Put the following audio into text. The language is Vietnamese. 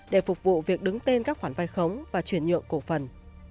để phục vụ việc đứng tên các khoản vai khống và chuyển nhượng cổ phần